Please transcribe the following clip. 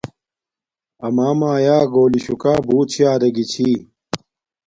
امݳ مݳیݳ گݸلݵ شُکݳ بݸت شݳ رݵگݵ چھݵ.